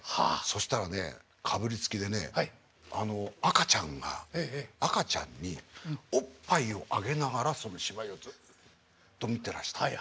そしたらねかぶりつきでねあの赤ちゃんが赤ちゃんにおっぱいをあげながらその芝居をずっと見てらしたの。